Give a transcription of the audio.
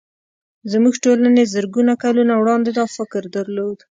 زموږ ټولنې زرګونه کلونه وړاندې دا فکر درلود